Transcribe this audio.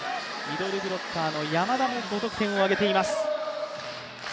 ミドルブロッカーの山田も５得点を挙げています。